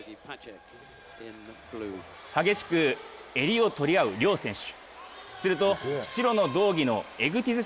激しく襟を取り合う両選手。